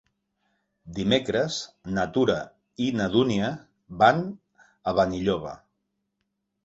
Dimecres na Tura i na Dúnia van a Benilloba.